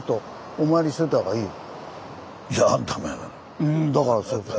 うんだからそう。